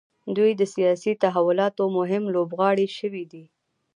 دوی د سیاسي تحولاتو مهم لوبغاړي شوي دي.